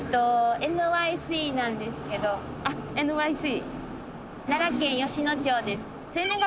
あＮ．Ｙ．Ｃ。